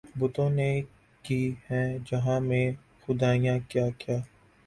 بتوں نے کی ہیں جہاں میں خدائیاں کیا کیا